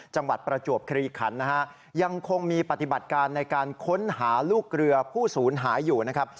ประจวบคลีขันนะฮะยังคงมีปฏิบัติการในการค้นหาลูกเรือผู้ศูนย์หายอยู่นะครับ